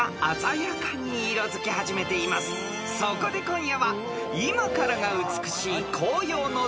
［そこで今夜は］